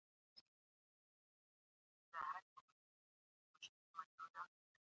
پوښتنه وکړه: موټر دې ولید؟ نه، موږ تا ته کتل.